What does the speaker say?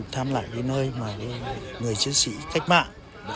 tham nại nơi người chiến sĩ cách mạng